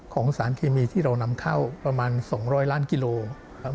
สารเคมีที่เรานำเข้าประมาณ๒๐๐ล้านกิโลครับ